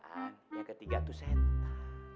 yang ketiga tuh senta